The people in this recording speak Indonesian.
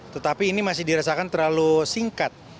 tetapi ini masih dirasakan terlalu singkat